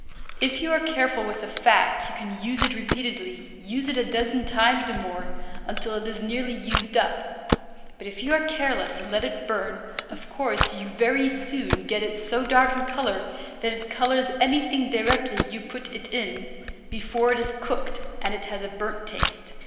If you are careful with the fat you can use it repeatedly, use it a dozen times or more, until it really is nearly used up. But if you are careless and let it burn, of course you very soon get it so dark in color that it colors anything directly you put it in, before it is cooked, and it has a burnt taste.